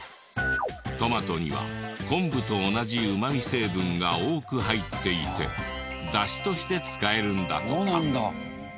トマトには昆布と同じうまみ成分が多く入っていてダシとして使えるんだとか。